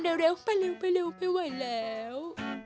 เร็วเร็วไปเร็วไปเร็วไปเร็วไม่ไหวแล้ว